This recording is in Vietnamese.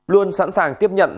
luôn sẵn sàng tiếp nhận